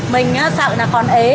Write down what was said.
mình sợ là còn ế